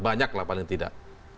banyak lah paling tidak